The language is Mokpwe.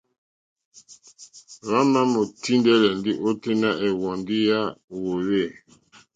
Hwámà mòtíndɛ́lɛ́ ndí ôténá ɛ̀hwɔ̀ndí yá hwōhwê.